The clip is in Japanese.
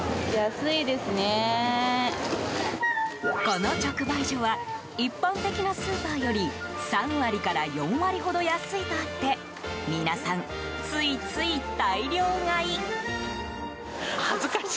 この直売所は一般的なスーパーより３割から４割ほど安いとあって皆さん、ついつい大量買い。